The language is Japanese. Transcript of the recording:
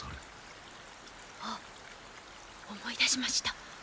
あっ思い出しました！